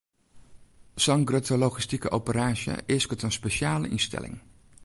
Sa'n grutte logistike operaasje easket in spesjale ynstelling.